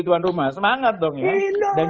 tuan rumah semangat dong ya dan